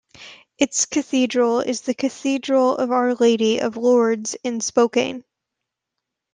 Its cathedral is the Cathedral of Our Lady of Lourdes in Spokane.